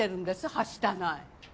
はしたない。